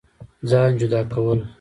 ځان جدا كول